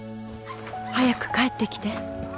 「早く帰ってきて」